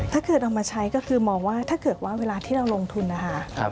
ถ้าเกิดเอามาใช้ก็คือมองว่าเวลาที่เราลงทุนนะคะ